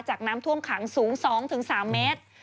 น้ำท่วมขังสูง๒๓เมตร